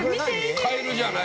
カエルじゃない？